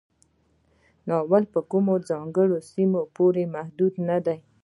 ناول په کومه ځانګړې سیمه پورې محدود نه دی.